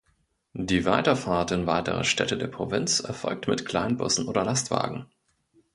Die Weiterfahrt in weitere Städte der Provinz erfolgt mit Kleinbussen oder Lastwagen.